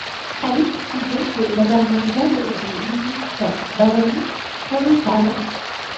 Alix fut donc la dernière Dame de l’illustre baronnie provençale.